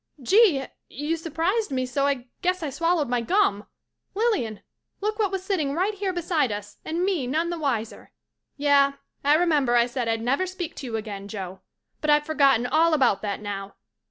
Gee, you surprised me so I guess I swallowed my gum. Lilian, look what was sitting right here beside us and me none the wiser. Yeh, I remember I said I'd never speak to you again, Joe, but I've forgotten all about that now.